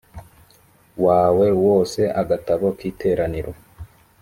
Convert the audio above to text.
wawe wose agatabo k iteraniro